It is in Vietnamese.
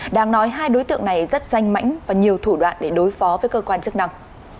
đáng nói hai đối tượng này rất danh mảnh và nhiều thủ đoạn để đối phó với cơ quan chức năng